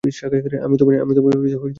আমি তোমায় কয়েন দেইনি।